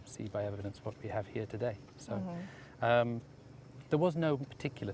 seperti yang anda lihat dari bukti yang kita ada di sini hari ini